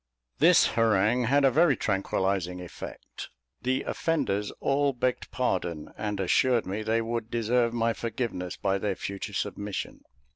This harangue had a very tranquillising effect. The offenders all begged pardon, and assured me they would deserve my forgiveness by their future submission.